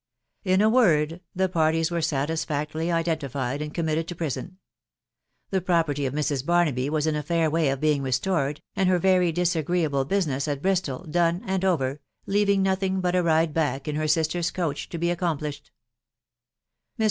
In a word, the parties were satisfactorily identified and committed to prison ; the property of Mrs. Barnaby was in a fair way of being restored, and her very disagreeable business at Bristol done and over, leaving nothing but a ride back in her sister's coach to be accomplished. Mr.